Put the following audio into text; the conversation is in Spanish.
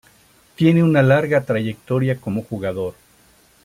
Tiene una larga trayectoria como jugador.